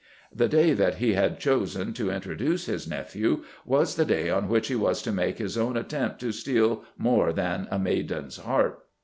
The day that he had chosen to introduce his nephew was the day on which he was to make his own attempt to steal more than a maiden's heart.